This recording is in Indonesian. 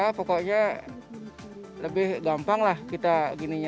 ya pokoknya lebih gampang lah kita pakai e money aja gitu ya